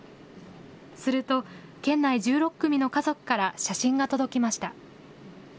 すると、県内１６組の家族から写真が届きました。